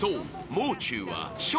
もう中は笑